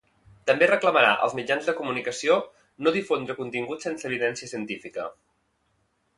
També reclamarà als mitjans de comunicació no difondre contingut sense evidència científica.